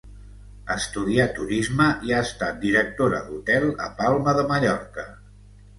Estudià turisme i ha estat directora d'hotel a Palma de Mallorca.